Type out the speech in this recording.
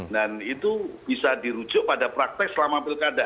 dan itu bisa dirujuk pada praktek selama pilkada